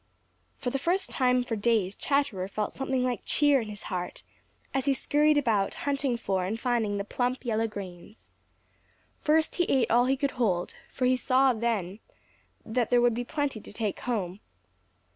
For the first time for days Chatterer felt something like cheer in his heart, as he scurried about hunting for and finding the plump yellow grains. First he ate all he could hold, for he saw that then there would be plenty to take home.